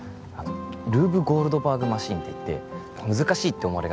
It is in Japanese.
ルーブ・ゴールドバーグ・マシンっていって難しいって思われがちな